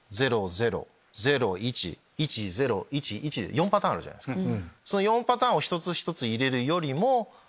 ４パターンあるじゃないですか。